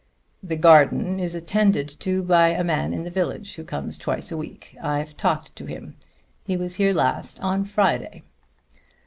"The garden is attended to by a man in the village, who comes twice a week. I've talked to him. He was here last on Friday."